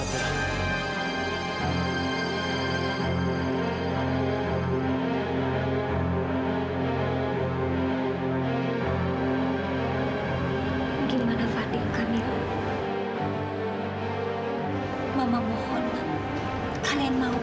aku ingin tahu